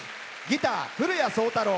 ギター、古屋創太郎。